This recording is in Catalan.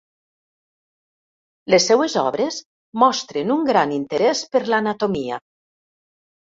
Les seues obres mostren un gran interès per l'anatomia.